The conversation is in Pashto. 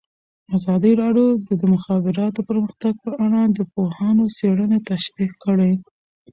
ازادي راډیو د د مخابراتو پرمختګ په اړه د پوهانو څېړنې تشریح کړې.